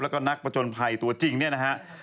แล้วก็นักประจนภัยตัวจริงเนี่ยนะฮะ